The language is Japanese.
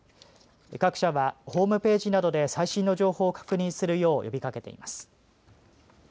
各社はホームページなどで最新の情報を確認するよう呼びかけています。